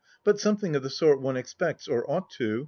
But something of the sort one expects, or ought to.